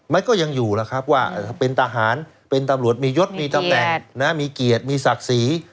มันก็ยังอยู่แล้วครับว่าเป็นทหารเป็นตำรวจมียศมีตำแหน่งมีเกียรติมีศักดิ์ศรี